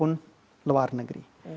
dalam negeri maupun luar negeri